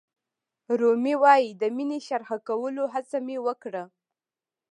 رومي وایي د مینې شرحه کولو هڅه مې وکړه.